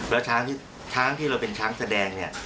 แล้วช้างที่เราเป็นช้างแสดงเนี่ย